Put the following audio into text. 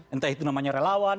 entah itu namanya relawan